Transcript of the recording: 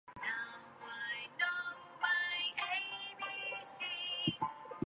He taught school in North Gower for five years.